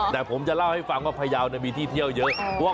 แต่ผมจะเล่าให้ฟังว่าพยาวมีที่เที่ยวเยอะ